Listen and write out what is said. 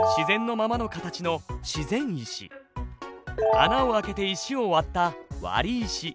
穴を開けて石を割った割石。